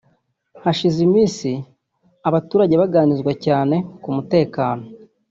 Hashize iminsi abaturage baganirizwa cyane ku mutekano